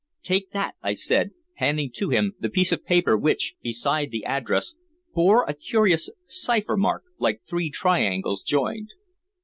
"Take that," I said, handing to him the piece of paper which, beside the address, bore a curious cipher mark like three triangles joined.